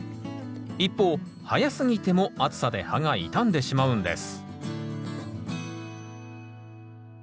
一方早すぎても暑さで葉が傷んでしまうんです